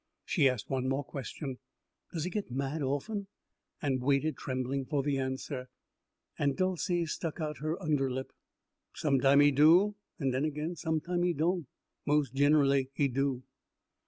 She asked one more question, "Does he get mad often?" and waited, trembling, for the answer. Aunt Dolcey stuck out her underlip. "Sometime he do, en den again, sometime he doan'. Mos' giner'ly he do."